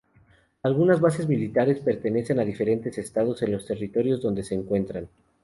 Algunas bases militares pertenecen a diferentes estados en los territorios donde se encuentran.